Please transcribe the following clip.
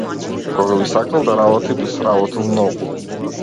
Кога би сакал да работи би сработил многу.